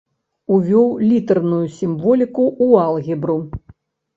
Увёў літарную сімволіку ў алгебру.